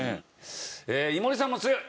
えー井森さんも強い！